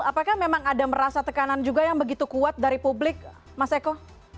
apakah memang ada merasa tekanan juga yang begitu kuat dari publik mas eko